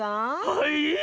はい？